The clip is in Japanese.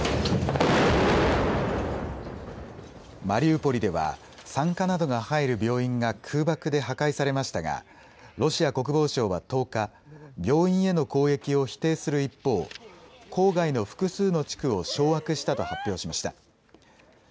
マリウポリでは産科などが入る病院が空爆で破壊されましたがロシア国防省は１０日、病院への攻撃を否定する一方、郊外の複数の地区を掌握したと発表しました。